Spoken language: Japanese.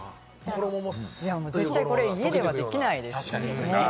これは家ではできないです。